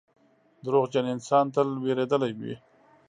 • دروغجن انسان تل وېرېدلی وي.